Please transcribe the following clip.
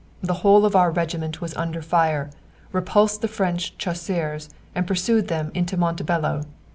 The whole of our regiment was under fire, repulsed the French chasseurs and pursued them into Montebello.